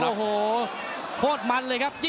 ทันควันเลย